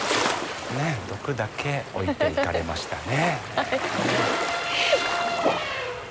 ねえ毒だけ置いていかれましたね。